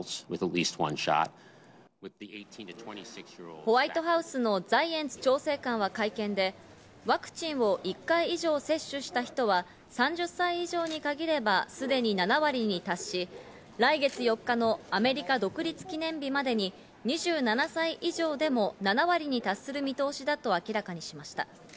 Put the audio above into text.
ホワイトハウスのザイエンツ調整官は会見で、ワクチンを１回以上接種した人は３０歳以上に限ればすでに７割に達し、来月４日のアメリカ独立記念日までに２７歳上でも７割に達する見通しだと明らかにしました。